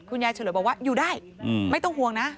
ยายฉลวยบอกว่าอยู่ได้ไม่ต้องห่วงนะ